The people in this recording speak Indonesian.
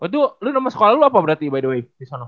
waduh lu nomor sekolah lu apa berarti by the way